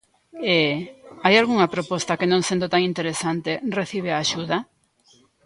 E, hai algunha proposta que non sendo tan interesante, recibe a axuda?